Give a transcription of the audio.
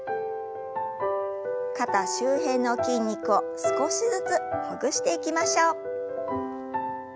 肩周辺の筋肉を少しずつほぐしていきましょう。